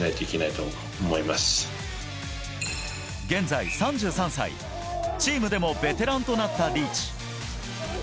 現在３３歳、チームでもベテランとなったリーチ。